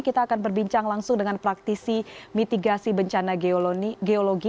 kita akan berbincang langsung dengan praktisi mitigasi bencana geologi